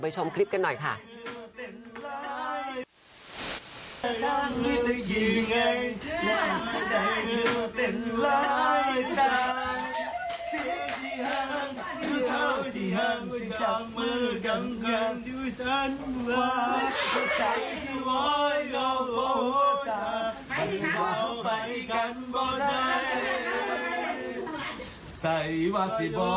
ไม่มองไปกันบ่ได้ใส่วัดสิบอดิงกา